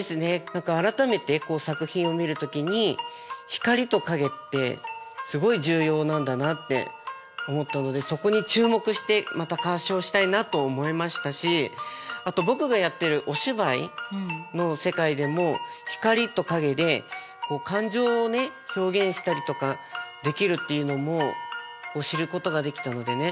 何か改めて作品を見る時に光と影ってすごい重要なんだなって思ったのでそこに注目してまた鑑賞したいなと思いましたしあと僕がやってるお芝居の世界でも光と影で感情をね表現したりとかできるっていうのも知ることができたのでね